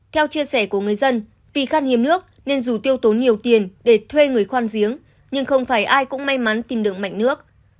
theo chia sẻ của người dân vì khăn hiếm nước nên dù tiêu tốn nhiều tiền để thuê người khoan giếng nhưng không phải ai cũng may mắn tìm đường mạnh nước